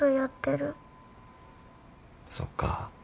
そっか。